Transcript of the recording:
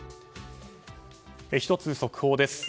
１つ、速報です。